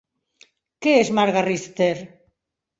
Què és Marga Richter?